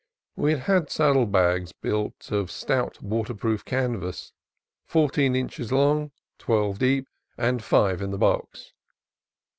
We had had saddle bags built of stout waterproofed canvas, fourteen inches long, twelve deep, and five "in the box."